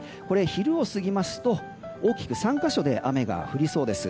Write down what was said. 昼を過ぎますと大きく３か所で雨が降りそうです。